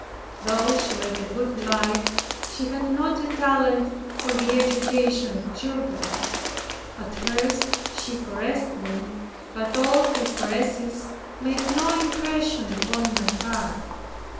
Though she led a good life, yet she had not a talent for the education of children. At first she caressed me, but all her caresses made no impression upon my heart.